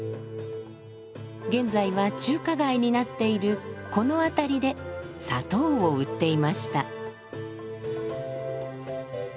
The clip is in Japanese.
現在は中華街になっているこの辺りで砂糖を売っていました。